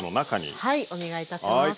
はいお願いいたします。